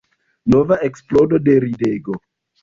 Nova eksplodo de ridego.